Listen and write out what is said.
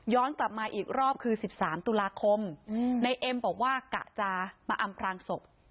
ย้อนกลับมาอีกรอบคือสิบสามตุลาคมอืมนายเอ็มบอกว่ากะจามาอำพรางศพ